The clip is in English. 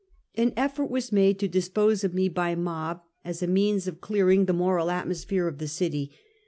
An effort was made to dispose of me by mob, as a means of clearing tbe moral atmospbere of tbe city.